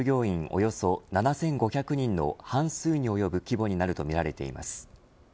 およそ７５００人の半数に及ぶ規模になるとみられています。